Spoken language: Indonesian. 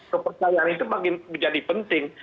kepercayaan itu menjadi penting